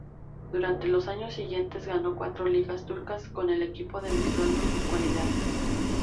Durante los años siguientes, ganó cuatro Ligas turcas con el equipo, demostrando sus cualidades.